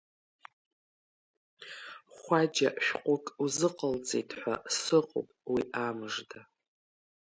Хәаџьа шәҟәык узыҟалҵеит ҳәа сыҟоуп, уи амыжда…